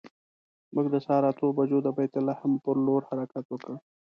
موږ د سهار اتو بجو د بیت لحم پر لور حرکت وکړ.